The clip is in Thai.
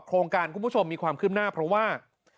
โครงการคุณผู้ชมมีความขึ้นหน้าเพราะว่า